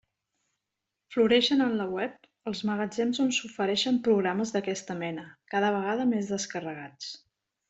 Floreixen en la web els magatzems on s'ofereixen programes d'aquesta mena, cada vegada més descarregats.